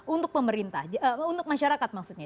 untuk pemerintah untuk masyarakat maksudnya